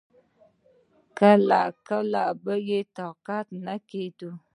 کله کله به يې طاقت نه کېده.